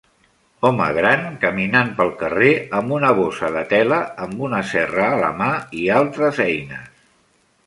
Home gran caminant pel carrer amb una bossa de tela amb una serra a la mà i altres eines.